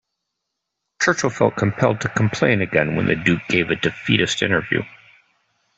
Churchill felt compelled to complain again when the Duke gave a "defeatist" interview.